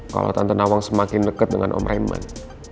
kalo tante nawang semakin deket dengan om raymond